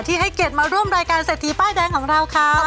ที่ให้เกดมาร่วมรายการเศรษฐีป้ายแดงของเราค่ะ